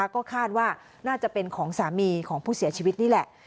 ก็คาดว่าน่าจะเป็นของสามีของผู้เสียชีวิตนี่แหละ